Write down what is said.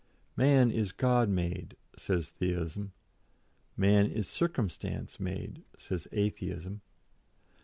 Man is God made, says Theism; man is circumstance made, says Atheism.